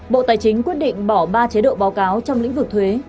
bộ tài chính quyết định bỏ ba chế độ báo cáo trong lĩnh vực thuế